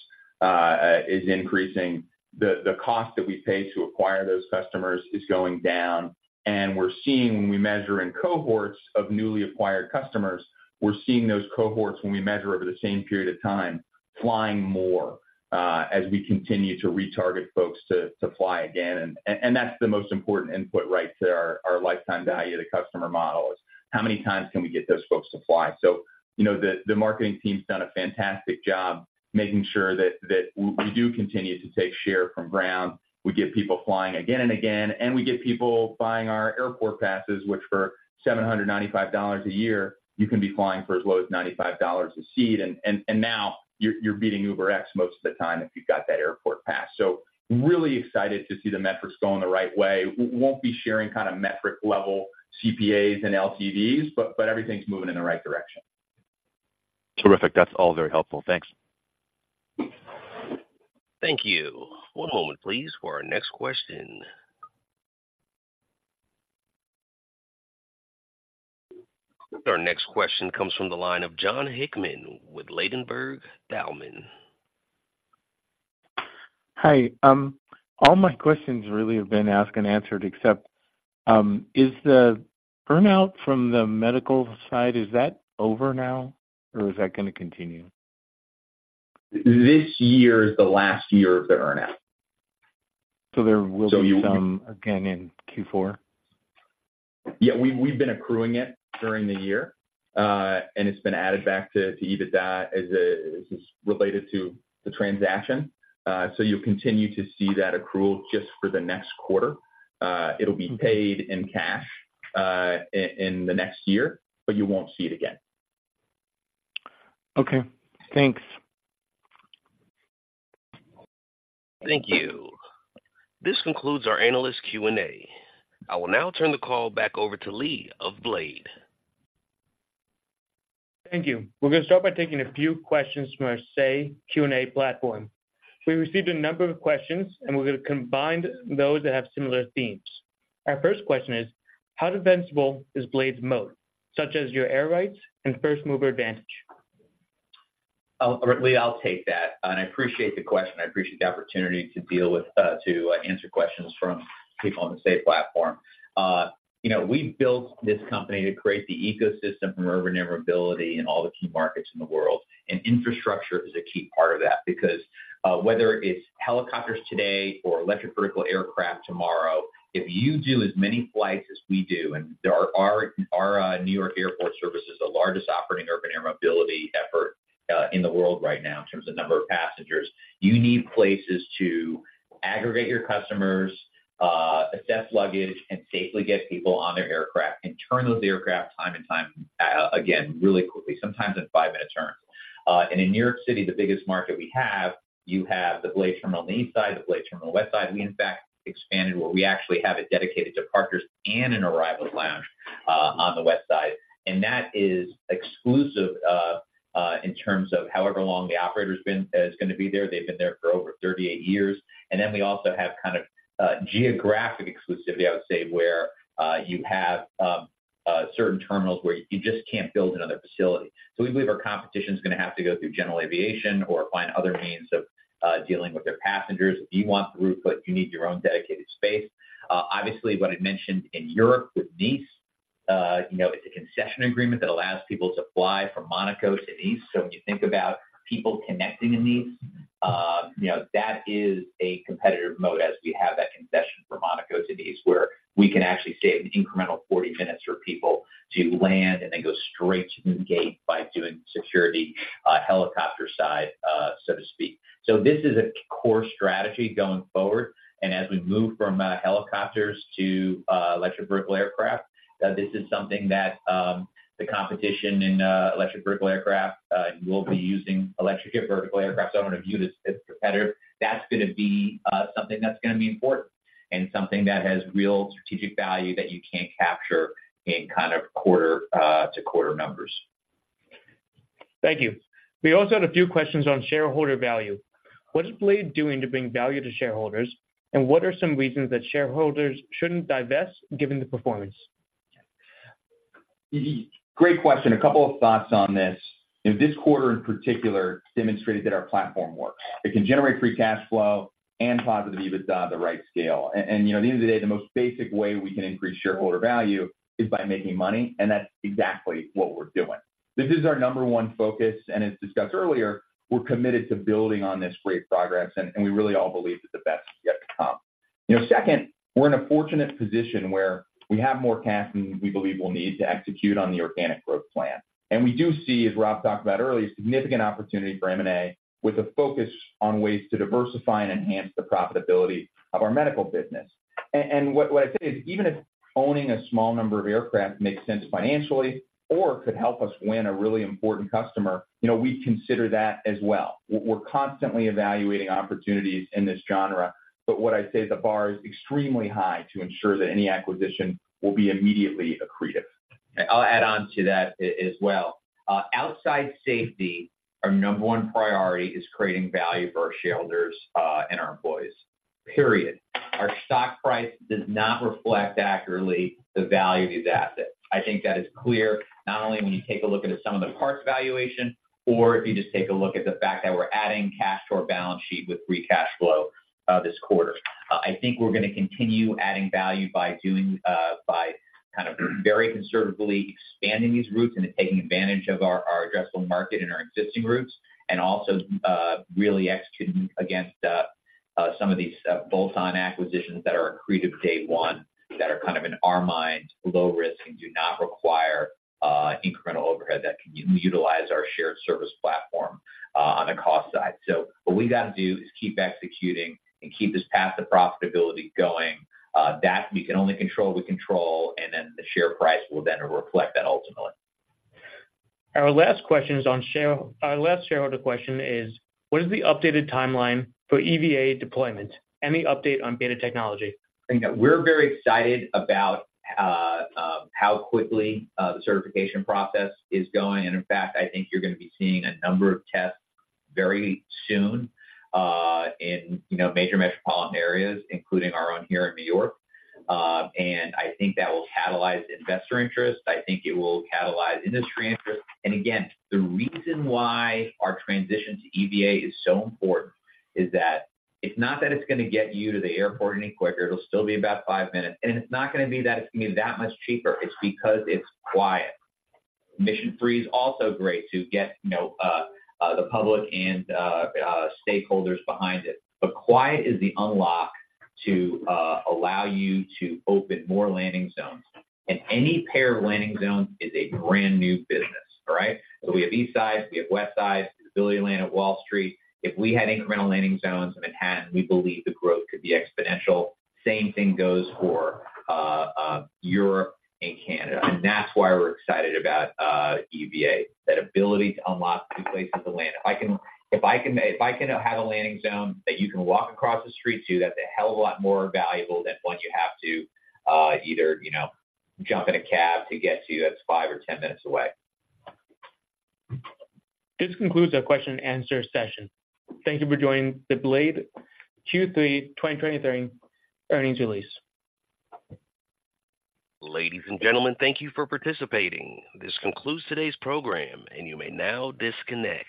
Speaker 4: is increasing. The cost that we pay to acquire those customers is going down, and we're seeing, when we measure in cohorts of newly acquired customers, we're seeing those cohorts when we measure over the same period of time, flying more, as we continue to retarget folks to fly again. And that's the most important input, right, to our lifetime value to customer model, is how many times can we get those folks to fly? So, you know, the marketing team's done a fantastic job making sure that we do continue to take share from ground. We get people flying again and again, and we get people buying our Airport Passes, which for $795 a year, you can be flying for as low as $95 a seat, and now you're beating UberX most of the time if you've got that Airport Pass. So really excited to see the metrics going the right way. We won't be sharing kind of metric-level CPAs and LTVs, but everything's moving in the right direction.
Speaker 8: Terrific. That's all very helpful. Thanks.
Speaker 1: Thank you. One moment, please, for our next question. Our next question comes from the line of John Hickman with Ladenburg Thalmann.
Speaker 9: Hi. All my questions really have been asked and answered, except, is the earn-out from the medical side, is that over now, or is that gonna continue?
Speaker 4: This year is the last year of the earn-out.
Speaker 9: There will be some again in Q4?
Speaker 4: Yeah, we've been accruing it during the year, and it's been added back to EBITDA as related to the transaction. So you'll continue to see that accrual just for the next quarter. It'll be paid in cash in the next year, but you won't see it again.
Speaker 9: Okay. Thanks.
Speaker 1: Thank you. This concludes our analyst Q&A. I will now turn the call back over to Lee of Blade....
Speaker 2: Thank you. We're going to start by taking a few questions from our Say Q&A platform. We received a number of questions, and we're going to combine those that have similar themes. Our first question is: How defensible is Blade's model, such as your air rights and first mover advantage?
Speaker 3: Lee, I'll take that, and I appreciate the question. I appreciate the opportunity to deal with, to answer questions from people on the Say platform. You know, we built this company to create the ecosystem for urban air mobility in all the key markets in the world, and infrastructure is a key part of that, because whether it's helicopters today or electric vertical aircraft tomorrow, if you do as many flights as we do, and our New York Airport Service is the largest operating urban air mobility effort in the world right now in terms of number of passengers. You need places to aggregate your customers, assess luggage, and safely get people on their aircraft, and turn those aircraft time and time again, really quickly, sometimes in five-minute turns. And in New York City, the biggest market we have, you have the Blade terminal on the east side, the Blade terminal on the west side. We, in fact, expanded where we actually have it dedicated departures and an arrival lounge, on the west side. And that is exclusive, in terms of however long the operator's been is gonna be there. They've been there for over 38 years. And then we also have kind of geographic exclusivity, I would say, where you have certain terminals where you just can't build another facility. So we believe our competition is gonna have to go through general aviation or find other means of dealing with their passengers. If you want the route, but you need your own dedicated space. Obviously, what I mentioned in Europe with Nice, you know, it's a concession agreement that allows people to fly from Monaco to Nice. So when you think about people connecting in Nice, you know, that is a competitive mode as we have that concession from Monaco to Nice, where we can actually save an incremental 40 minutes for people to land and then go straight to the gate by doing security, helicopter side, so to speak. So this is a core strategy going forward, and as we move from helicopters to electric vertical aircraft, this is something that the competition in electric vertical aircraft will be using electric vertical aircraft. So I'm going to view this as competitive. That's gonna be something that's gonna be important and something that has real strategic value that you can't capture in kind of quarter-to-quarter numbers.
Speaker 2: Thank you. We also had a few questions on shareholder value. What is Blade doing to bring value to shareholders, and what are some reasons that shareholders shouldn't divest, given the performance?
Speaker 4: Great question. A couple of thoughts on this. You know, this quarter, in particular, demonstrated that our platform works. It can generate free-cash-flow and positive EBITDA on the right scale. And, you know, at the end of the day, the most basic way we can increase shareholder value is by making money, and that's exactly what we're doing. This is our number one focus, and as discussed earlier, we're committed to building on this great progress, and we really all believe that the best is yet to come. You know, second, we're in a fortunate position where we have more cash than we believe we'll need to execute on the organic growth plan. And we do see, as Rob talked about earlier, significant opportunity for M&A, with a focus on ways to diversify and enhance the profitability of our medical business. What I'd say is, even if owning a small number of aircraft makes sense financially or could help us win a really important customer, you know, we'd consider that as well. We're constantly evaluating opportunities in this genre, but what I'd say, the bar is extremely high to ensure that any acquisition will be immediately accretive.
Speaker 3: I'll add on to that as well. Outside safety, our number one priority is creating value for our shareholders, and our employees, period. Our stock price does not reflect accurately the value of the asset. I think that is clear, not only when you take a look at some of the parts valuation or if you just take a look at the fact that we're adding cash to our balance sheet with free-cash-flow, this quarter. I think we're gonna continue adding value by doing by kind of very conservatively expanding these routes and taking advantage of our addressable market and our existing routes, and also really executing against some of these bolt-on acquisitions that are accretive day one, that are kind of, in our mind, low risk and do not require incremental overhead that can utilize our shared service platform on the cost side. So what we've got to do is keep executing and keep this path to profitability going. That we can only control what we control, and then the share price will then reflect that ultimately.
Speaker 2: Our last shareholder question is: What is the updated timeline for EVA deployment? Any update on BETA Technologies?
Speaker 3: I think that we're very excited about how quickly the certification process is going. And in fact, I think you're gonna be seeing a number of tests very soon in, you know, major metropolitan areas, including our own here in New York. And I think that will catalyze investor interest. I think it will catalyze industry interest. And again, the reason why our transition to EVA is so important is that it's not that it's gonna get you to the airport any quicker, it'll still be about five minutes, and it's not gonna be that much cheaper, it's because it's quiet. Mission Three is also great to get, you know, the public and stakeholders behind it. But quiet is the unlock to allow you to open more landing zones, and any pair of landing zones is a brand-new business, all right? So we have east side, we have west side, the ability to land at Wall Street. If we had incremental landing zones in Manhattan, we believe the growth could be exponential. Same thing goes for Europe and Canada, and that's why we're excited about EVA, that ability to unlock new places to land. If I can have a landing zone that you can walk across the street to, that's a hell of a lot more valuable than one you have to either, you know, jump in a cab to get to, that's five or 10 minutes away.
Speaker 2: This concludes our question and answer session. Thank you for joining the Blade Q3 2023 Earnings Release.
Speaker 1: Ladies and gentlemen, thank you for participating. This concludes today's program, and you may now disconnect.